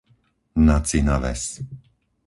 Nacina Ves